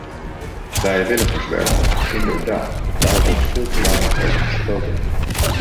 Vrijwilligerswerk: inderdaad, daar wordt veel te weinig over gesproken.